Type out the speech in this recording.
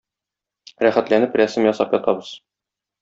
Рәхәтләнеп рәсем ясап ятабыз.